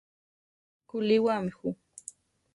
¿Kulíwami ju?